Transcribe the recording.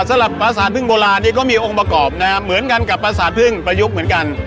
ภาษาพึ่งโบราณนี้ก็มีองค์ประกอบนะฮะเหมือนกันกับประสาทพึ่งประยุกต์เหมือนกัน